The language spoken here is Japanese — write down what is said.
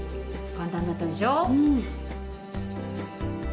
簡単だったでしょ？